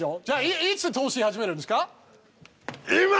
じゃあいつ投資始めるんですか？